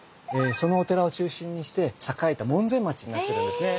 そのお寺を中心にして栄えた門前町になってるんですね。